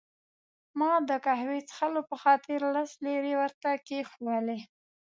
ما د قهوې څښلو په خاطر لس لیرې ورته کښېښوولې.